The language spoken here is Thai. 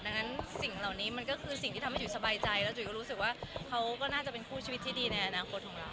ดังนั้นสิ่งเหล่านี้มันก็คือสิ่งที่ทำให้จุ๋ยสบายใจแล้วจุ๋ยก็รู้สึกว่าเขาก็น่าจะเป็นคู่ชีวิตที่ดีในอนาคตของเรา